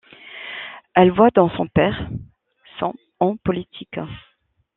Elle voit dans son père son en politique.